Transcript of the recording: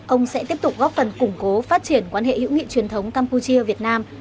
ông sẽ tiếp tục góp phần củng cố phát triển quan hệ hữu nghị truyền thống campuchia việt nam